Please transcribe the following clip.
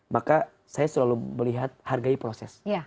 maka saya selalu melihat hargai proses